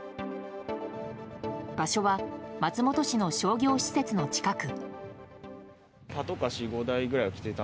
場所は松本市の商業施設の近く。